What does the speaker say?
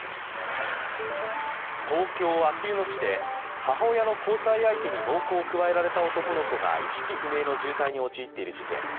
東京・あきる野市で母親の交際相手に暴行を加えられた男の子が意識不明の重体に陥っている事件。